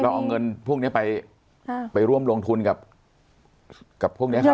เราเอาเงินพวกเนี้ยไปอ่าไปร่วมลงทุนกับกับพวกเนี้ยครับ